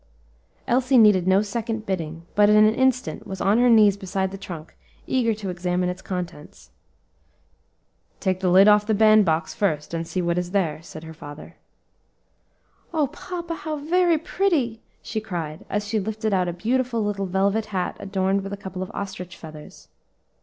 Elsie needed no second bidding, but in an instant was on her knees beside the trunk, eager to examine its contents. "Take the lid off the band box first, and see what is there," said her father. "O papa, how very pretty!" she cried, as she lifted out a beautiful little velvet hat adorned with a couple of ostrich feathers.